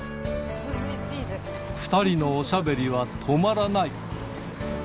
２人のおしゃべりは止まらない。